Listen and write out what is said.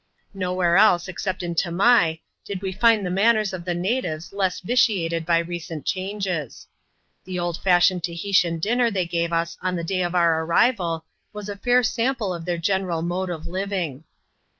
Nowhere else, except in Tamai, did we find the manners of the natives less vitiated by recent changes. The old fashioned Tahitian dinner they gave us on the day of our arrival, was a fair sample of their general mode of living.